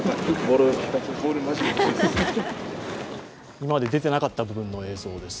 今まで出てなかった部分の映像です。